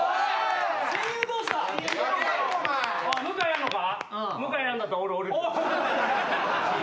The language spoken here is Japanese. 向井やんのか？